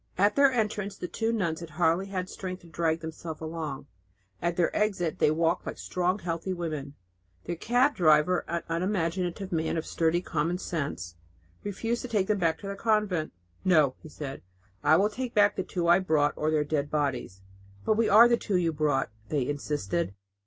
At their entrance, the two nuns had hardly had strength to drag themselves along; at their exit they walked like strong and healthy women. Their cab driver, an unimaginative man of sturdy common sense, refused to take them back to their convent. "No," he said, "I will take back the two I brought or their dead bodies." "But we are the two you brought," they insisted.